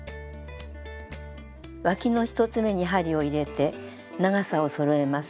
わきの１つめに針を入れて長さをそろえます。